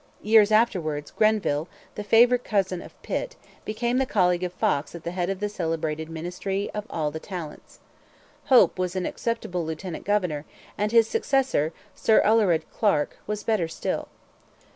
Years afterwards Grenville, the favourite cousin of Pitt, became the colleague of Fox at the head of the celebrated 'Ministry of All the Talents.' Hope was an acceptable lieutenant governor, and his successor, Sir Alured Clarke, was better still.